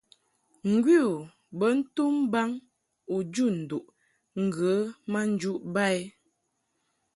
Ŋgwi u bə ntum baŋ u jun nduʼ ŋgə ma njuʼ ba i.